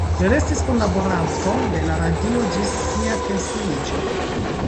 Li restis kunlaboranto de la radio ĝis sia pensiiĝo.